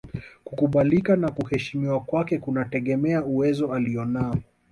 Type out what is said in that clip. Kukubalika na kuheshimiwa kwake kunategemea uwezo alionao